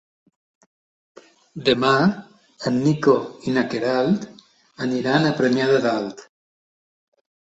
Demà en Nico i na Queralt aniran a Premià de Dalt.